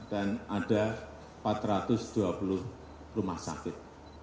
dan ada empat ratus dua puluh rumah sakit